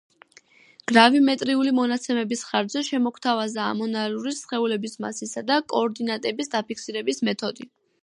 გრავიმეტრიული მონაცემების ხარჯზე შემოგვთავაზა ანომალიური სხეულების მასისა და კოორდინატების დაფიქსირების მეთოდი.